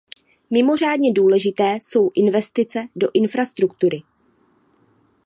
Mimořádně důležité jsou investice do infrastruktury.